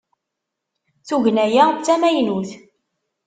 Tugna-a d tamaynut?